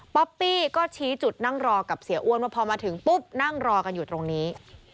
ป๊อปปี้ก็ชี้จุดนั่งรอกับเสียอ้วนว่าพอมาถึงปุ๊บนั่งรอกันอยู่ตรงนี้